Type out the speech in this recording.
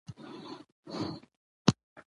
د ګړدودونو له مجموعه څخه تشکېليږي.